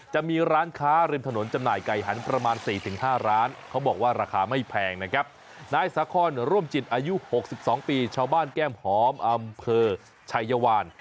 จะมีร้านค้าลิมถนนจำหน่ายไก่หันประมาณ๔๕ร้าน